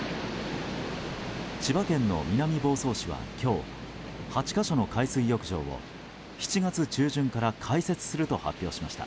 千葉県の南房総市は今日８か所の海水浴場を７月中旬から開設すると発表しました。